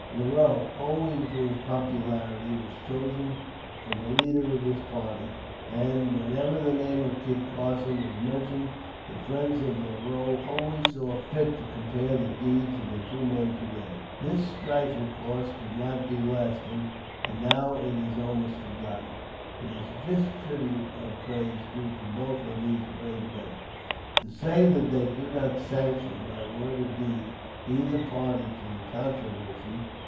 Leroux, owing to his popularity, was chosen for the leader of this party, and whenever the name of Kit Carson was mentioned, the friends of Leroux always saw fit to compare the deeds of the two men together. This strife, of course, could not be lasting, and now it is almost forgotten. It is a just tribute of praise due to both of these brave men, to say that they do not sanction, by word or deed, either party to the controversy.